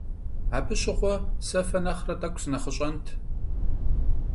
Абы щыгъуэ сэ фэ нэхърэ тӀэкӀу сынэхъыщӀэнт.